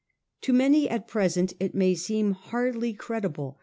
To many at present it may seem hardly credible that; 1831 2